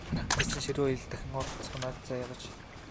Дайчин ширүүн аялалд дахин оролцох аз заяагаач!